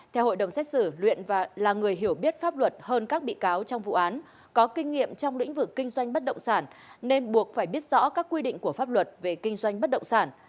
theo hội đồng xét xử luyện và là người hiểu biết pháp luật hơn các bị cáo trong vụ án có kinh nghiệm trong lĩnh vực kinh doanh bất động sản nên buộc phải biết rõ các quy định của pháp luật về kinh doanh bất động sản